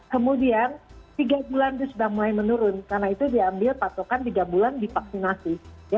kemudian tiga bulan itu sudah mulai menurun karena itu diambil patokan tiga bulan divaksinasi